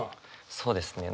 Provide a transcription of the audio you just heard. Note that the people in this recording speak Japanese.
そうですね